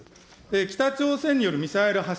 北朝鮮によるミサイル発射。